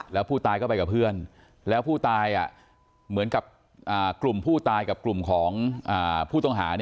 แล้วผู้ตายก็ไปกับเพื่อนแล้วผู้ตายเหมือนกับกลุ่มผู้ตายกับกลุ่มของผู้ต้องหา